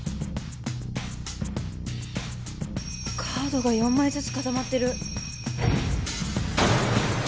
カードが４枚ずつ固まってる。